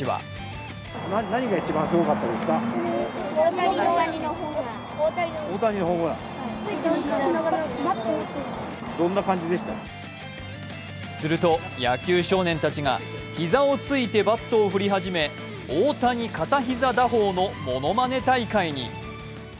そして野球少年たちはすると、野球少年たちが膝をついてバットを振り始め大谷片膝打法のものまね大会に。